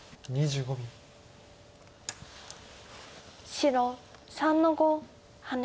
白３の五ハネ。